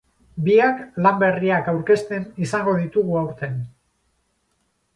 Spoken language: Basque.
Biak lan berriak aurkezten izango ditugu aurten.